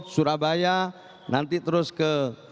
surabaya nanti terus ke